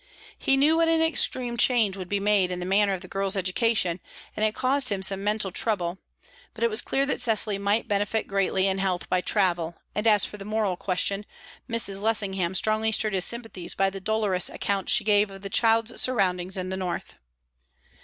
He knew what an extreme change would be made in the manner of the girl's education, and it caused him some mental trouble; but it was clear that Cecily might benefit greatly in health by travel, and, as for the moral question, Mrs. Lessingham strongly stirred his sympathies by the dolorous account she gave of the child's surroundings in the north.